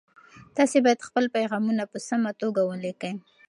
تاسي باید خپل پیغامونه په سمه توګه ولیکئ.